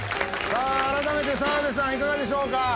あらためて澤部さんいかがでしょうか？